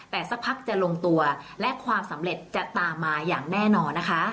แต่สักพักจะลงตัวและความสำเร็จจะตามมาอย่างแน่นอนนะคะ